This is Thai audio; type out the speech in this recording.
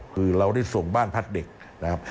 คือเราได้ส่งบ้านพักเด็กนะครับ